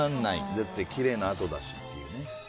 だってきれいなあとだしっていうね。